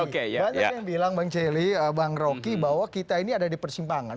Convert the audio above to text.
banyak yang bilang bang celi bang rocky bahwa kita ini ada di persimpangan